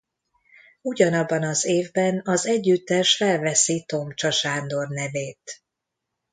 Ugyanabban az évben az együttes felveszi Tomcsa Sándor nevét.